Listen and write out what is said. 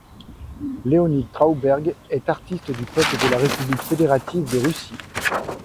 Leonid Trauberg est Artiste du peuple de la république fédérative de Russie.